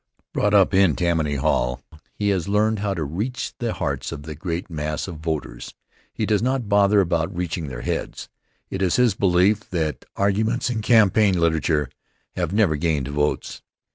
Brought up in Tammany Hall, he has learned how to reach the hearts of the great mass of voters. He does not bother about reaching their heads. It is his belief that arguments and campaign literature have never gained votes.